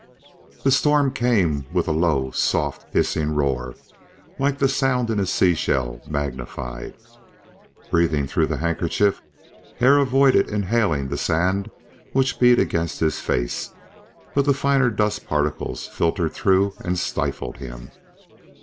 The storm came with a low, soft, hissing roar, like the sound in a sea shell magnified. Breathing through the handkerchief Hare avoided inhaling the sand which beat against his face, but the finer dust particles filtered through and stifled him.